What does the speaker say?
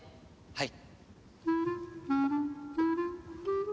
はい。